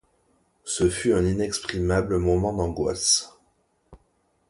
Ce fut un inexprimable moment d’angoisses.